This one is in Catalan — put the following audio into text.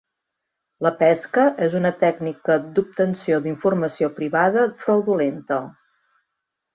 La pesca és una tècnica d'obtenció d'informació privada fraudulenta.